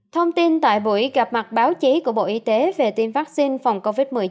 thông tin tại buổi gặp mặt báo chí của bộ y tế về tiêm vaccine phòng covid một mươi chín